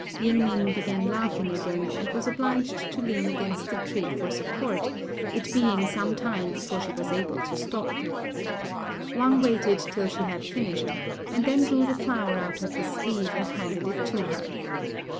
Ying ning began laughing again, and was obliged to lean against a tree for support, it being some time before she was able to stop. Wang waited till she had finished, and then drew the flower out of his sleeve and handed it to her.